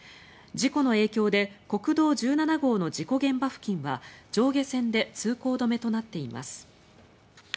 事故の影響で国道１７号の事故現場付近は上下線で通行止めとなっています。